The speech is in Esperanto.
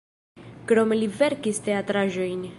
Krome li verkis teatraĵojn.